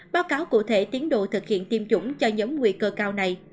báo cáo cụ thể tiến độ thực hiện tiêm chủng cho nhóm nguy cơ cao này